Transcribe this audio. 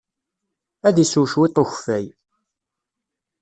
Ad isew cwiṭ n ukeffay.